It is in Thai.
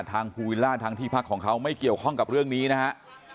ทางภูวิลล่าทางที่พักของเขาไม่เกี่ยวข้องกับเรื่องนี้นะฮะ